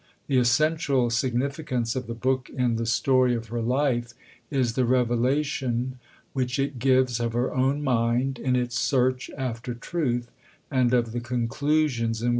The essential significance of the book in the story of her life is the revelation which it gives of her own mind in its search after truth, and of the conclusions in which she ultimately found support.